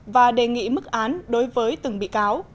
và đề nghị mức án đối với từng bị cáo